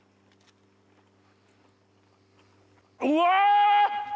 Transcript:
うわ！